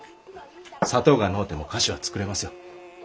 砂糖がのうても菓子は作れますよ。